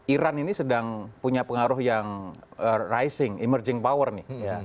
iran ini sedang punya pengaruh yang rising emerging power nih